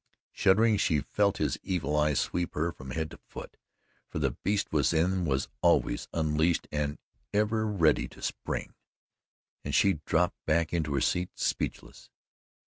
Shuddering she felt his evil eyes sweep her from head to foot, for the beast within was always unleashed and ever ready to spring, and she dropped back into her seat, speechless.